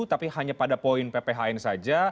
tapi hanya pada poin pphn saja